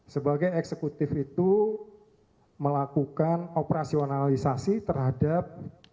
sebagai eksekutif itu melakukan operasionalisasi terhadap